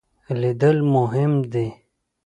لیدل مهم دی.